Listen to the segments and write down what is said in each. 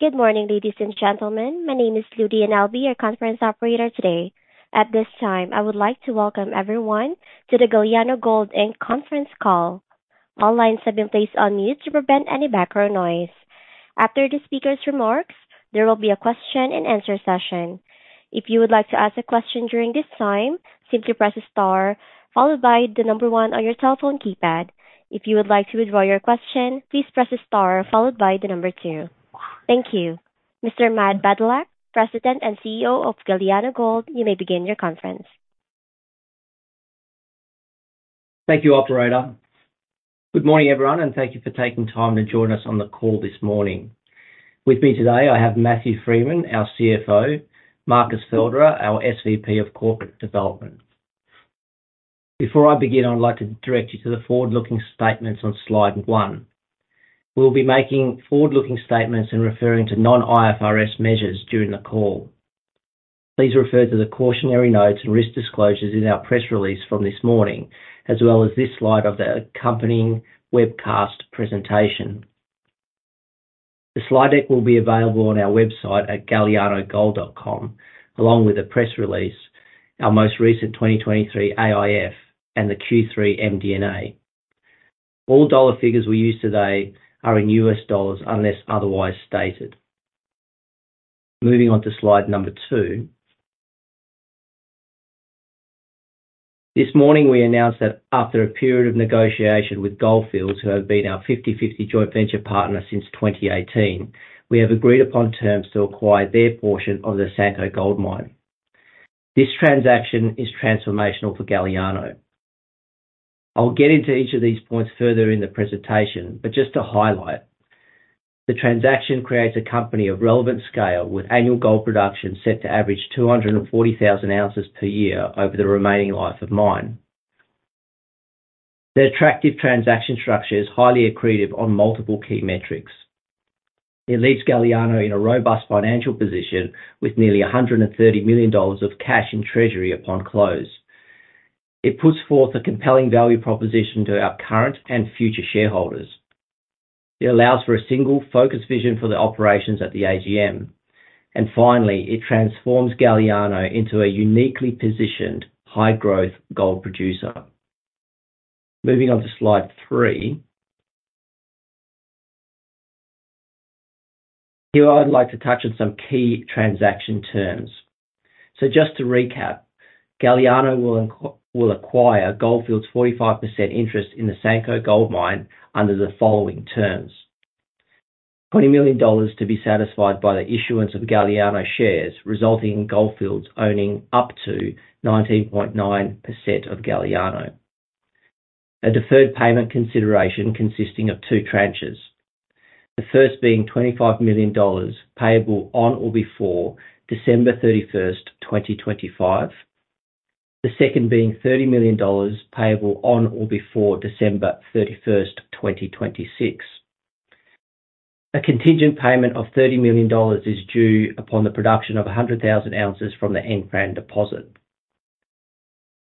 Good morning, ladies and gentlemen. My name is Ludi Annelle. I'll be your conference operator today. At this time, I would like to welcome everyone to the Galiano Gold Inc. conference call. All lines have been placed on mute to prevent any background noise. After the speaker's remarks, there will be a question-and-answer session. If you would like to ask a question during this time, simply press a star, followed by the number 1 on your cell phone keypad. If you would like to ithdraw your question, please press a star, followed by the number 2. Thank you. Mr. Matt Badylak, President and CEO of Galiano Gold, you may begin your conference. Thank you, Operator. Good morning, everyone, and thank you for taking time to join us on the call this morning. With me today, I have Matthew Freeman, our CFO, Markus Felder, our SVP of Corporate Development. Before I begin, I would like to direct you to the forward-looking statements on slide 1. We will be making forward-looking statements and referring to non-IFRS measures during the call. Please refer to the cautionary notes and risk disclosures in our press release from this morning, as well as this slide of the accompanying webcast presentation. The slide deck will be available on our website at galianogold.com, along with a press release, our most recent 2023 AIF, and the Q3 MD&A. All dollar figures we use today are in U.S. dollars unless otherwise stated. Moving on to slide number 2. This morning, we announced that after a period of negotiation with Gold Fields, who have been our 50/50 joint venture partner since 2018, we have agreed upon terms to acquire their portion of the Asanko Gold Mine. This transaction is transformational for Galiano. I'll get into each of these points further in the presentation, but just to highlight, the transaction creates a company of relevant scale with annual gold production set to average 240,000 ounces per year over the remaining life of mine. The attractive transaction structure is highly accretive on multiple key metrics. It leaves Galiano in a robust financial position with nearly $130 million of cash in treasury upon close. It puts forth a compelling value proposition to our current and future shareholders. It allows for a single, focused vision for the operations at the AGM. Finally, it transforms Galiano into a uniquely positioned high-growth gold producer. Moving on to Slide 3. Here I would like to touch on some key transaction terms. So just to recap, Galiano will acquire Gold Fields' 45% interest in the Asanko Gold Mine under the following terms: $20 million to be satisfied by the issuance of Galiano shares, resulting in Gold Fields owning up to 19.9% of Galiano. A deferred payment consideration consisting of two tranches, the first being $25 million payable on or before December 31st, 2025. The second being $30 million payable on or before December 31st, 2026. A contingent payment of $30 million is due upon the production of 100,000 ounces from the Nkran deposit.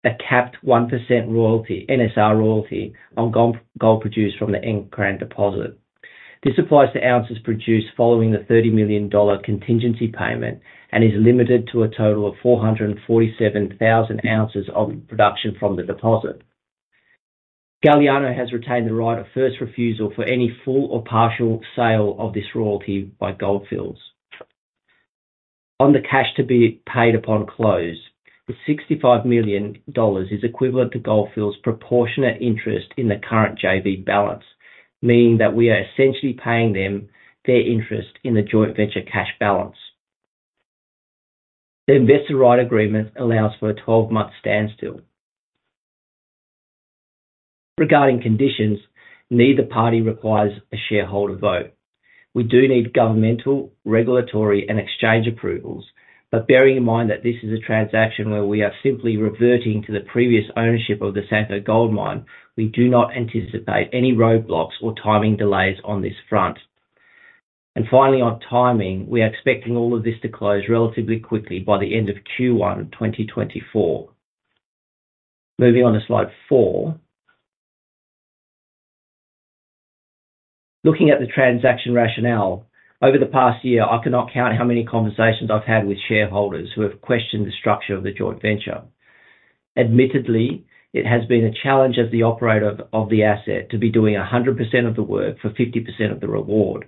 A capped 1% royalty, NSR royalty, on gold produced from the Nkran deposit. This applies to ounces produced following the $30 million contingency payment and is limited to a total of 447,000 ounces of production from the deposit. Galiano has retained the right of first refusal for any full or partial sale of this royalty by Gold Fields. On the cash to be paid upon close, the $65 million is equivalent to Gold Fields' proportionate interest in the current JV balance, meaning that we are essentially paying them their interest in the joint venture cash balance. The Investor Rights Agreement allows for a 12-month standstill. Regarding conditions, neither party requires a shareholder vote. We do need governmental, regulatory, and exchange approvals, but bearing in mind that this is a transaction where we are simply reverting to the previous ownership of the Asanko Gold Mine, we do not anticipate any roadblocks or timing delays on this front. And finally, on timing, we are expecting all of this to close relatively quickly by the end of Q1, 2024. Moving on to slide 4. Looking at the transaction rationale, over the past year, I cannot count how many conversations I've had with shareholders who have questioned the structure of the joint venture. Admittedly, it has been a challenge as the operator of the asset to be doing 100% of the work for 50% of the reward.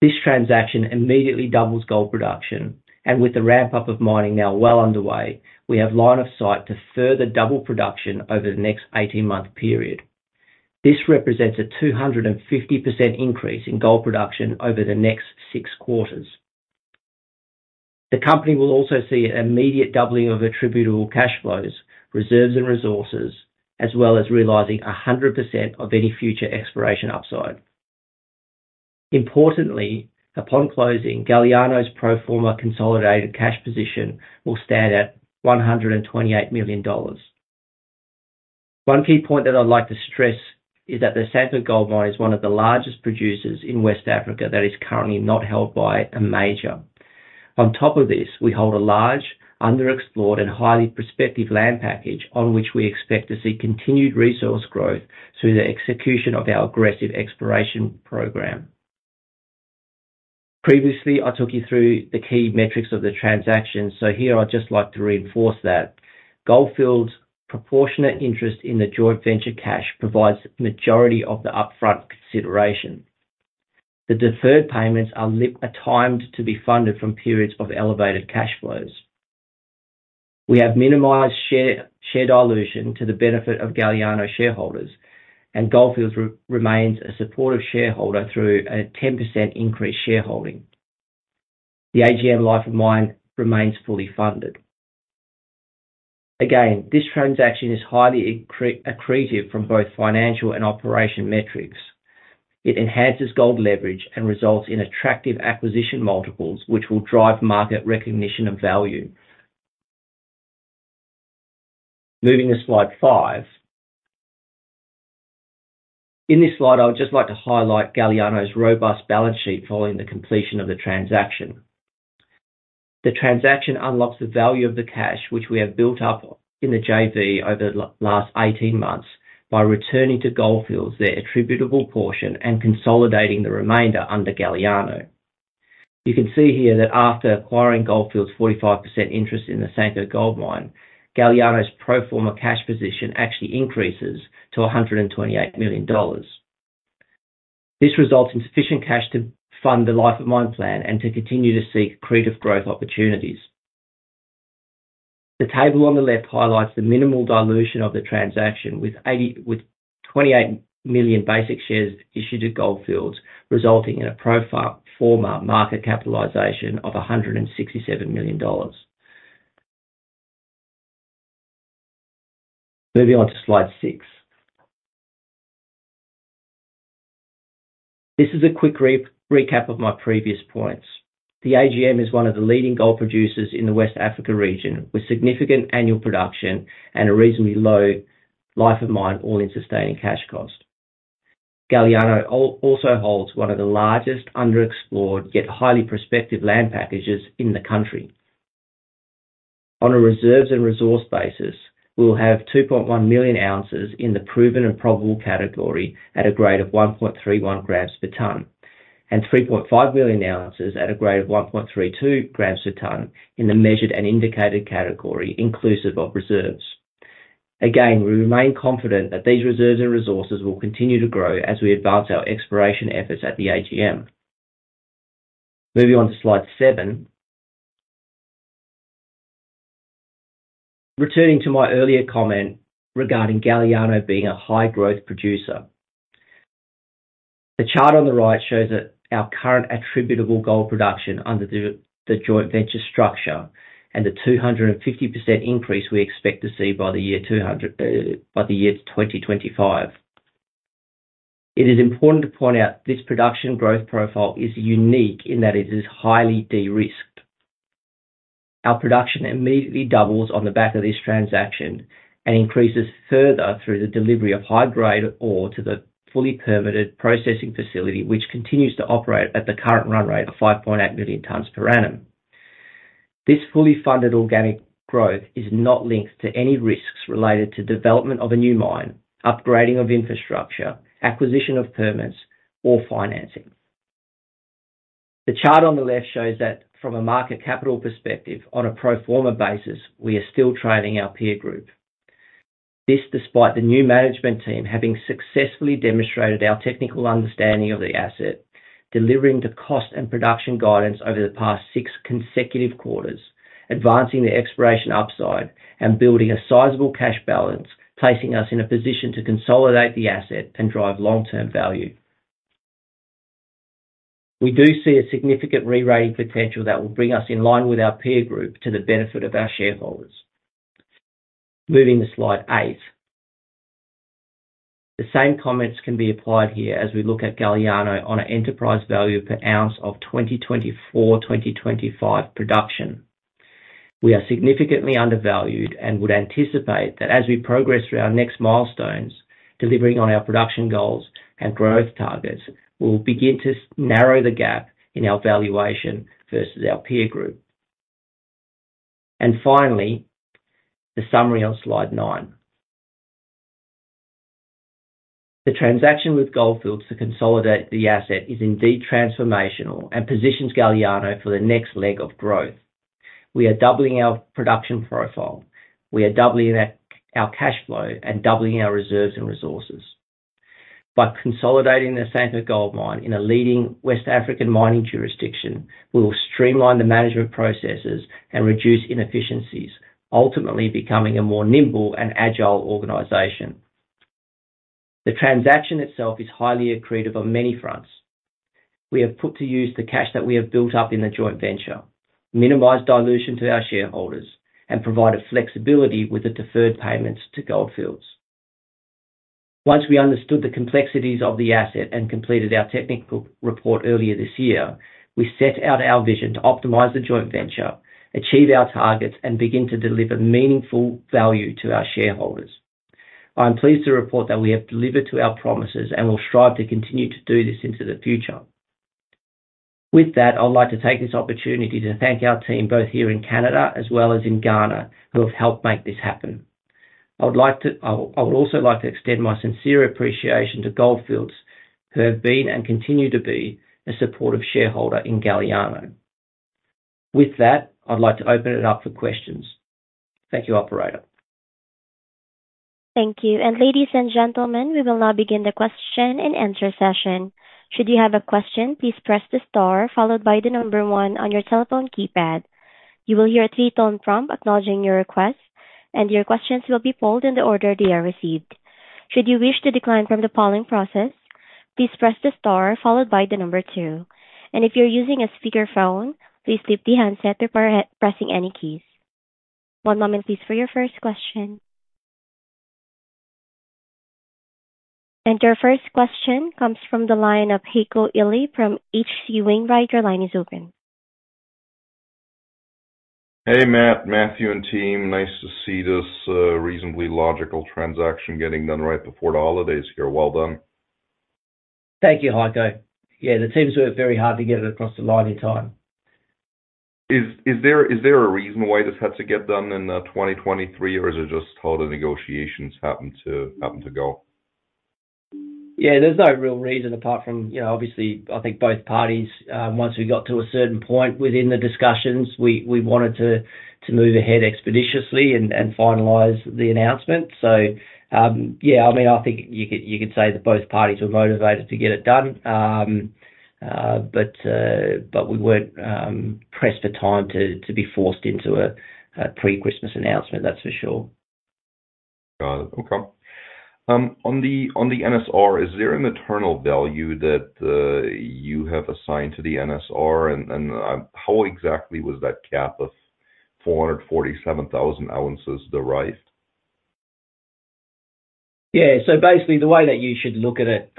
This transaction immediately doubles gold production, and with the ramp-up of mining now well underway, we have line of sight to further double production over the next 18-month period. This represents a 250% increase in gold production over the next six quarters. The company will also see an immediate doubling of attributable cash flows, reserves, and resources, as well as realizing 100% of any future exploration upside. Importantly, upon closing, Galiano's pro forma consolidated cash position will stand at $128 million. One key point that I'd like to stress is that the Asanko Gold Mine is one of the largest producers in West Africa that is currently not held by a major. On top of this, we hold a large, underexplored, and highly prospective land package on which we expect to see continued resource growth through the execution of our aggressive exploration program. Previously, I took you through the key metrics of the transaction, so here I'd just like to reinforce that. Gold Fields' proportionate interest in the joint venture cash provides the majority of the upfront consideration. The deferred payments are timed to be funded from periods of elevated cash flows. We have minimized share dilution to the benefit of Galiano shareholders, and Gold Fields remains a supportive shareholder through a 10% increase shareholding. The AGM life of mine remains fully funded. Again, this transaction is highly accretive from both financial and operation metrics. It enhances gold leverage and results in attractive acquisition multiples, which will drive market recognition and value. Moving to slide 5. In this slide, I would just like to highlight Galiano's robust balance sheet following the completion of the transaction. The transaction unlocks the value of the cash which we have built up in the JV over the last 18 months by returning to Gold Fields their attributable portion and consolidating the remainder under Galiano. You can see here that after acquiring Gold Fields' 45% interest in the Asanko Gold Mine, Galiano's pro forma cash position actually increases to $128 million. This results in sufficient cash to fund the life of mine plan and to continue to seek accretive growth opportunities. The table on the left highlights the minimal dilution of the transaction with 28 million basic shares issued to Gold Fields, resulting in a pro forma market capitalization of $167 million. Moving on to slide 6. This is a quick recap of my previous points. The AGM is one of the leading gold producers in the West Africa region with significant annual production and a reasonably low life of mine all in sustaining cash cost. Galiano also holds one of the largest underexplored yet highly prospective land packages in the country. On a reserves and resource basis, we'll have 2.1 million ounces in the proven and probable category at a grade of 1.31 grams per tonne, and 3.5 million ounces at a grade of 1.32 grams per tonne in the measured and indicated category inclusive of reserves. Again, we remain confident that these reserves and resources will continue to grow as we advance our exploration efforts at the AGM. Moving on to slide 7. Returning to my earlier comment regarding Galiano being a high-growth producer. The chart on the right shows our current attributable gold production under the joint venture structure and the 250% increase we expect to see by the year 2025. It is important to point out this production growth profile is unique in that it is highly de-risked. Our production immediately doubles on the back of this transaction and increases further through the delivery of high-grade ore to the fully permitted processing facility, which continues to operate at the current run rate of 5.8 million tonnes per annum. This fully funded organic growth is not linked to any risks related to development of a new mine, upgrading of infrastructure, acquisition of permits, or financing. The chart on the left shows that from a market capital perspective, on a pro forma basis, we are still trailing our peer group. This despite the new management team having successfully demonstrated our technical understanding of the asset, delivering the cost and production guidance over the past six consecutive quarters, advancing the exploration upside, and building a sizable cash balance, placing us in a position to consolidate the asset and drive long-term value. We do see a significant re-rating potential that will bring us in line with our peer group to the benefit of our shareholders. Moving to slide 8. The same comments can be applied here as we look at Galiano on an enterprise value per ounce of 2024-2025 production. We are significantly undervalued and would anticipate that as we progress through our next milestones, delivering on our production goals and growth targets, we'll begin to narrow the gap in our valuation versus our peer group. And finally, the summary on slide 9. The transaction with Gold Fields to consolidate the asset is indeed transformational and positions Galiano for the next leg of growth. We are doubling our production profile. We are doubling our cash flow and doubling our reserves and resources. By consolidating the Asanko Gold Mine in a leading West African mining jurisdiction, we will streamline the management processes and reduce inefficiencies, ultimately becoming a more nimble and agile organization. The transaction itself is highly accretive on many fronts. We have put to use the cash that we have built up in the joint venture, minimized dilution to our shareholders, and provided flexibility with the deferred payments to Gold Fields. Once we understood the complexities of the asset and completed our technical report earlier this year, we set out our vision to optimize the joint venture, achieve our targets, and begin to deliver meaningful value to our shareholders. I am pleased to report that we have delivered to our promises and will strive to continue to do this into the future. With that, I would like to take this opportunity to thank our team both here in Canada as well as in Ghana who have helped make this happen. I would also like to extend my sincere appreciation to Gold Fields who have been and continue to be a supportive shareholder in Galiano. With that, I'd like to open it up for questions. Thank you, operator. Thank you. And ladies and gentlemen, we will now begin the question and answer session. Should you have a question, please press the star followed by the number one on your telephone keypad. You will hear a three-tone prompt acknowledging your request, and your questions will be polled in the order they are received. Should you wish to decline from the polling process, please press the star followed by the number two. And if you're using a speakerphone, please flip the handset or press any keys. One moment, please, for your first question. And your first question comes from the line of Heiko Ihle from H.C. Wainwright & Co. Line is open. Hey, Matt, Matthew, and team. Nice to see this reasonably logical transaction getting done right before the holidays here. Well done. Thank you, Heiko. Yeah, the team's worked very hard to get it across the line in time. Is there a reason why this had to get done in 2023, or is it just how the negotiations happened to go? Yeah, there's no real reason apart from, obviously, I think both parties, once we got to a certain point within the discussions, we wanted to move ahead expeditiously and finalize the announcement. So yeah, I mean, I think you could say that both parties were motivated to get it done, but we weren't pressed for time to be forced into a pre-Christmas announcement, that's for sure. Got it. Okay. On the NSR, is there an internal value that you have assigned to the NSR, and how exactly was that cap of 447,000 ounces derived? Yeah, so basically the way that you should look at it,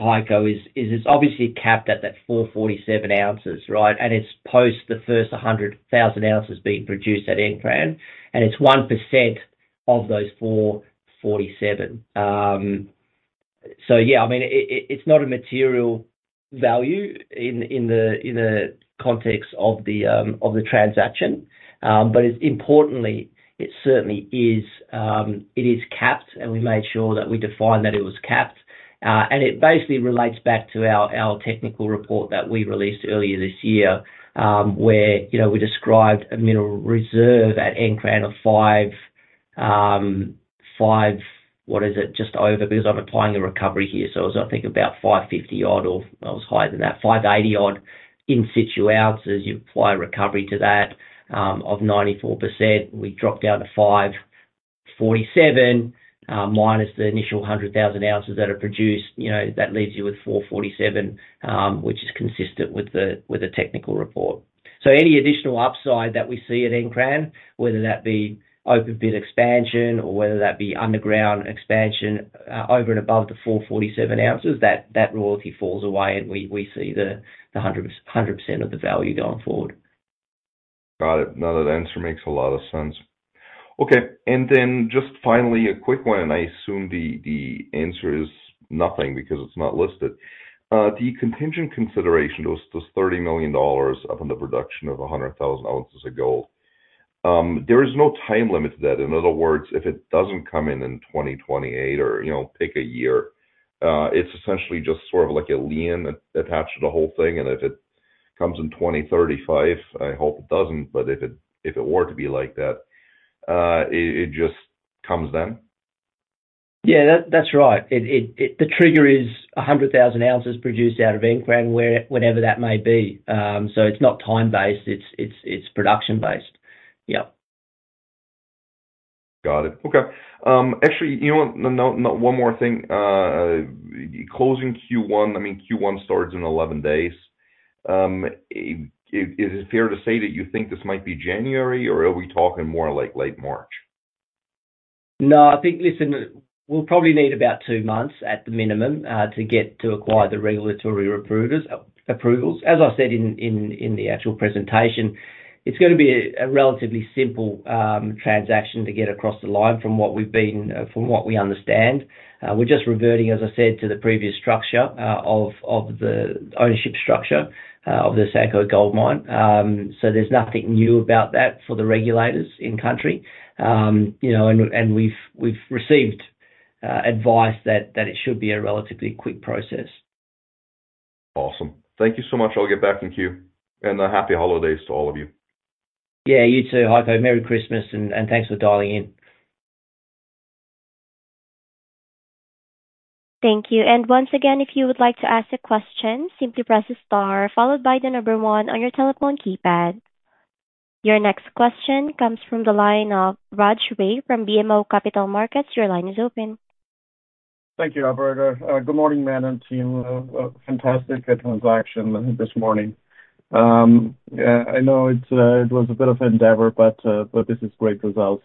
Heiko, is it's obviously capped at that 447 ounces, right? And it's post the first 100,000 ounces being produced at Nkran, and it's 1% of those 447. So yeah, I mean, it's not a material value in the context of the transaction, but importantly, it certainly is capped, and we made sure that we defined that it was capped. And it basically relates back to our technical report that we released earlier this year where we described a mineral reserve at Nkran of 5, what is it, just over, because I'm applying a recovery here. So I was, I think, about 550 odd or I was higher than that, 580 odd in situ ounces. You apply a recovery to that of 94%. We dropped down to 547 minus the initial 100,000 ounces that are produced. That leaves you with 447, which is consistent with the technical report. So any additional upside that we see at Nkran, whether that be open pit expansion or whether that be underground expansion over and above the 447 ounces, that royalty falls away and we see the 100% of the value going forward. Got it. Now that answer makes a lot of sense. Okay. And then just finally a quick one, and I assume the answer is nothing because it's not listed. The contingent consideration, those $30 million upon the production of 100,000 ounces of gold, there is no time limit to that. In other words, if it doesn't come in in 2028 or pick a year, it's essentially just sort of like a lien attached to the whole thing. And if it comes in 2035, I hope it doesn't, but if it were to be like that, it just comes then? Yeah, that's right. The trigger is 100,000 ounces produced out of Nkran whenever that may be. So it's not time-based. It's production-based. Yep. Got it. Okay. Actually, you know what? One more thing. Closing Q1, I mean, Q1 starts in 11 days. Is it fair to say that you think this might be January, or are we talking more like late March? No, I think, listen, we'll probably need about two months at the minimum to get to acquire the regulatory approvals. As I said in the actual presentation, it's going to be a relatively simple transaction to get across the line from what we've been, from what we understand. We're just reverting, as I said, to the previous structure of the ownership structure of the Asanko Gold Mine. So there's nothing new about that for the regulators in country. And we've received advice that it should be a relatively quick process. Awesome. Thank you so much. I'll get back in queue. Happy holidays to all of you. Yeah, you too, Heiko. Merry Christmas, and thanks for dialing in. Thank you. And once again, if you would like to ask a question, simply press a star followed by the number one on your telephone keypad. Your next question comes from the line of Raj Ray from BMO Capital Markets. Your line is open. Thank you, operator. Good morning, Matt and team. Fantastic transaction this morning. I know it was a bit of an endeavor, but this is a great result.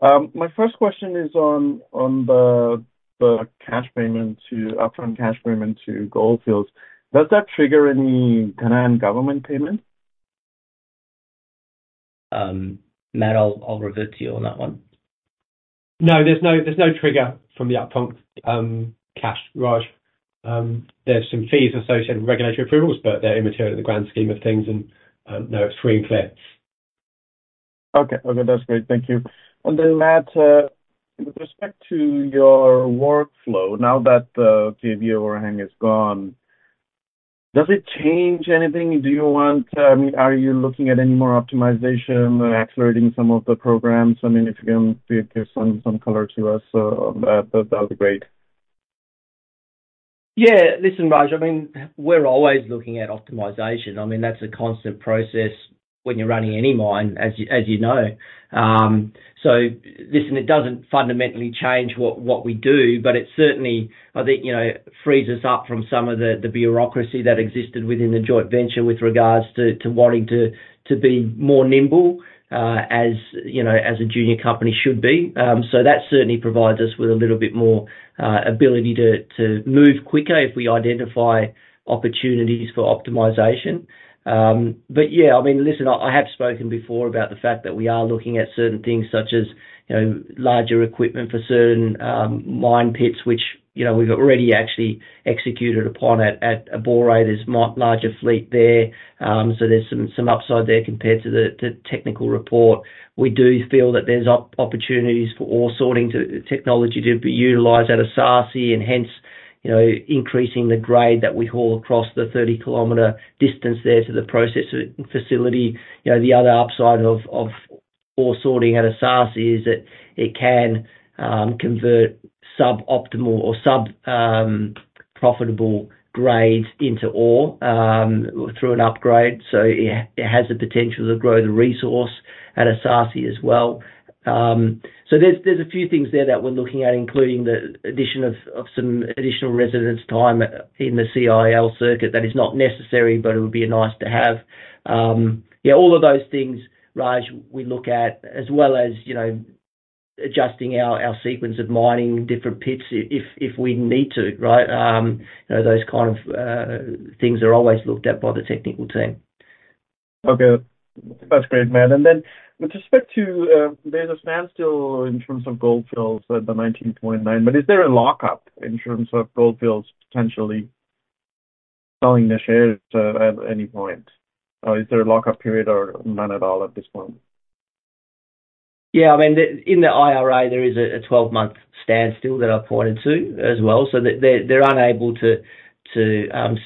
My first question is on the cash payment to, upfront cash payment to Gold Fields. Does that trigger any Ghanaian government payment? Matt, I'll revert to you on that one. No, there's no trigger from the upfront cash, Raj. There's some fees associated with regulatory approvals, but they're immaterial to the grand scheme of things. And no, it's free and clear. Okay. Okay. That's great. Thank you. And then, Matt, with respect to your workflow, now that the review overhang is gone, does it change anything? Do you want, I mean, are you looking at any more optimization, accelerating some of the programs? I mean, if you can give some color to us on that, that would be great. Yeah. Listen, Raj, I mean, we're always looking at optimization. I mean, that's a constant process when you're running any mine, as you know. So listen, it doesn't fundamentally change what we do, but it certainly, I think, frees us up from some of the bureaucracy that existed within the joint venture with regards to wanting to be more nimble as a junior company should be. So that certainly provides us with a little bit more ability to move quicker if we identify opportunities for optimization. But yeah, I mean, listen, I have spoken before about the fact that we are looking at certain things such as larger equipment for certain mine pits, which we've already actually executed upon at Abore. There's a larger fleet there. So there's some upside there compared to the technical report. We do feel that there's opportunities for ore sorting technology to be utilized at Esaase and hence increasing the grade that we haul across the 30 kilometer distance there to the processing facility. The other upside of ore sorting at Esaase is that it can convert sub-optimal or sub-profitable grades into ore through an upgrade. So it has the potential to grow the resource at Esaase as well. So there's a few things there that we're looking at, including the addition of some additional residence time in the CIL circuit that is not necessary, but it would be nice to have. Yeah, all of those things, Raj, we look at as well as adjusting our sequence of mining different pits if we need to, right? Those kind of things are always looked at by the technical team. Okay. That's great, Matt. And then with respect to, there's a standstill in terms of Gold Fields at the 19.9%, but is there a lockup in terms of Gold Fields potentially selling their shares at any point? Is there a lockup period or none at all at this point? Yeah, I mean, in the IRA, there is a 12-month standstill that I pointed to as well. So they're unable to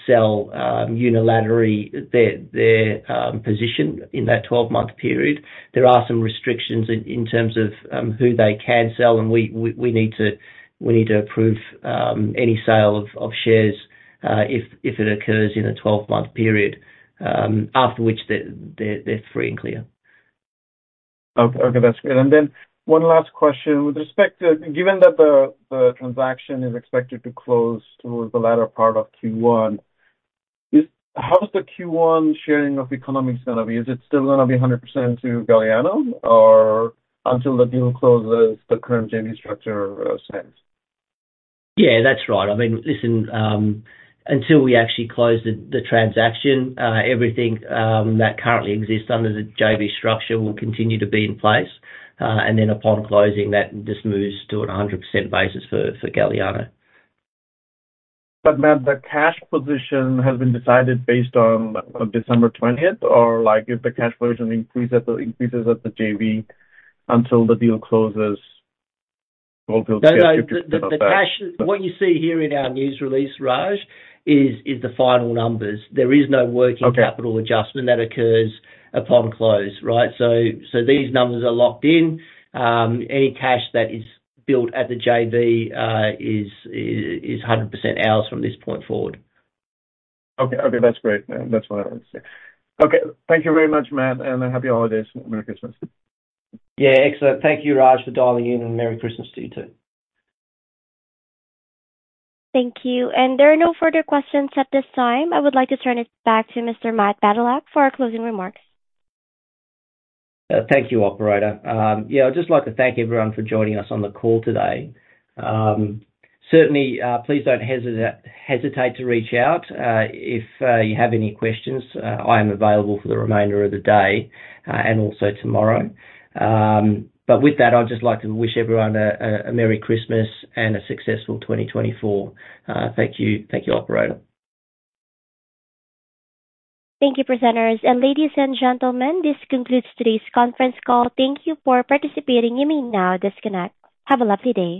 sell unilaterally their position in that 12-month period. There are some restrictions in terms of who they can sell, and we need to approve any sale of shares if it occurs in a 12-month period, after which they're free and clear. Okay. That's great. Then one last question. With respect to, given that the transaction is expected to close towards the latter part of Q1, how is the Q1 sharing of economics going to be? Is it still going to be 100% to Galiano, or until the deal closes, the current JV structure stands? Yeah, that's right. I mean, listen, until we actually close the transaction, everything that currently exists under the JV structure will continue to be in place. And then upon closing, that just moves to a 100% basis for Galiano. But Matt, the cash position has been decided based on December 20th, or if the cash position increases at the JV until the deal closes, Gold Fields get the cash? What you see here in our news release, Raj, is the final numbers. There is no working capital adjustment that occurs upon close, right? So these numbers are locked in. Any cash that is built at the JV is 100% ours from this point forward. Okay. Okay. That's great. That's what I wanted to say. Okay. Thank you very much, Matt, and happy holidays. Merry Christmas. Yeah, excellent. Thank you, Raj, for dialing in, and Merry Christmas to you too. Thank you. There are no further questions at this time. I would like to turn it back to Mr. Matt Badylak for our closing remark. Thank you, operator. Yeah, I'd just like to thank everyone for joining us on the call today. Certainly, please don't hesitate to reach out if you have any questions. I am available for the remainder of the day and also tomorrow. But with that, I'd just like to wish everyone a Merry Christmas and a successful 2024. Thank you, operator. Thank you, presenters. Ladies and gentlemen, this concludes today's conference call. Thank you for participating. You may now disconnect. Have a lovely day.